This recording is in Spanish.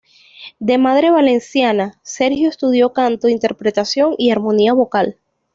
De madre Valenciana, Sergio estudió canto, interpretación y armonía vocal.